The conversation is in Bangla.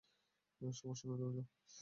সমস্যা নেই, তুমি যাও।